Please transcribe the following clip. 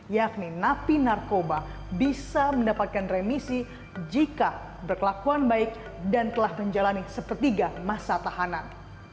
yakni napi narkoba bisa mendapatkan remisi jika berkelakuan baik dan telah menjalani sepertiga masa tahanan